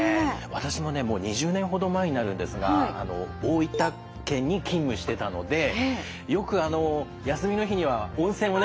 私もねもう２０年ほど前になるんですが大分県に勤務してたのでよく休みの日には温泉をね